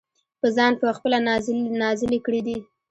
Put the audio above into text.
پۀ ځان پۀ خپله نازلې کړي دي -